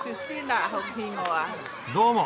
どうも。